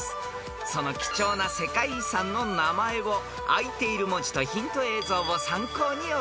［その貴重な世界遺産の名前をあいている文字とヒント映像を参考にお答えください］